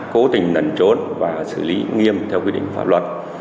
cố tình nẩn trốn và xử lý nghiêm theo quyết định pháp luật